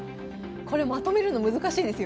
これまとめるの難しいですよ